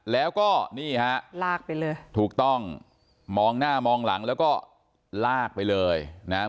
แล้วก็นี่ฮะลากไปเลยถูกต้องมองหน้ามองหลังแล้วก็ลากไปเลยนะครับ